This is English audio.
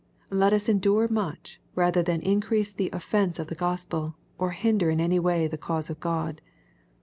Let us endure much, rather than increase the offence of the Gospel, or hinder in any way the cause of God.